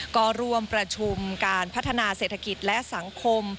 ก็ร่วมประชุมการพัฒนาเศรษฐกิจและสังคม